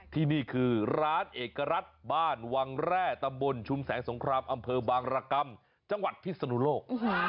ที่นี่คือร้านเอกรัฐบ้านวังแร่ตำบลชุมแสงสงครามอำเภอบางรกรรมจังหวัดพิศนุโลก